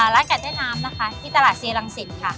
ร้านไก่ใต้น้ำนะคะที่ตลาดซีรังสิตค่ะ